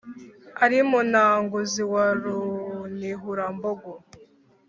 ari munanguzi wa runihurambogo.